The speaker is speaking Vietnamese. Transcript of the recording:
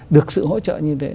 được sự hỗ trợ như thế